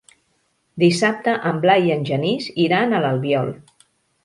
Dissabte en Blai i en Genís iran a l'Albiol.